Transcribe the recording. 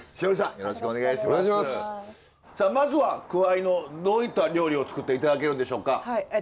さあまずはくわいのどういった料理を作って頂けるんでしょうか？